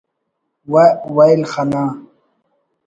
و ویل خنا